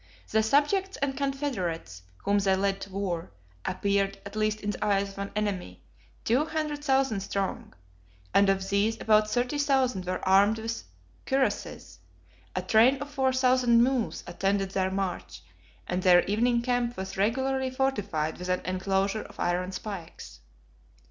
The subjects and confederates, whom they led to war, appeared, at least in the eyes of an enemy, two hundred thousand strong; and of these about thirty thousand were armed with cuirasses: 114 a train of four thousand mules attended their march; and their evening camp was regularly fortified with an enclosure of iron spikes.